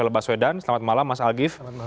baswedan selamat malam mas algif